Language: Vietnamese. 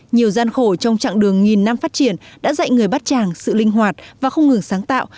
nhiều gian khổ trong chặng đường nghìn năm phát triển đã dạy người bát tràng sự linh hoạt và không ngừng sáng tạo